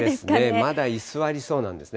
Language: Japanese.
まだ居座りそうなんですね。